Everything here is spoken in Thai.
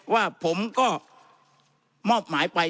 ว่าผมก็มอบหมายไป